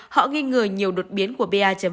họ nghi ngờ nhiều đột biến của pa hai